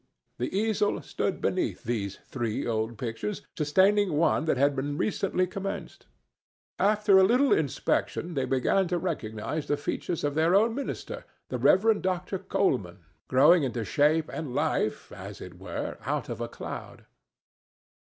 The easel stood beneath these three old pictures, sustaining one that had been recently commenced. After a little inspection they began to recognize the features of their own minister, the Rev. Dr. Colman, growing into shape and life, as it were, out of a cloud.